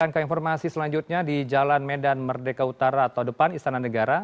ke informasi selanjutnya di jalan medan merdeka utara atau depan istana negara